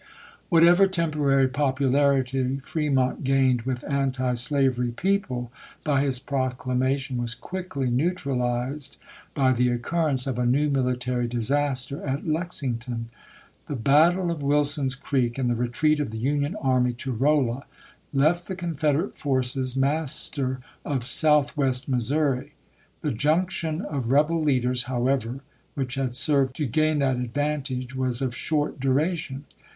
Whatever temporary popularity Fremont gained with antislavery people by his proclamation was 426 ABEAHAM LINCOLN ch. XXIV. quickly neutralized by the occurrence of a new military disaster at Lexington. The battle of Wil son's Creek and the retreat of the Union army to Rolla left the Confederate forces master of south west Missouri. The junction of rebel leaders, how ever, which had served to gain that advantage was of short duration.